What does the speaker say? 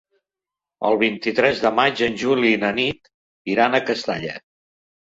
El vint-i-tres de maig en Juli i na Nit iran a Castalla.